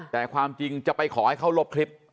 แต่ความจริงจะไปขอให้เขาลบคลิป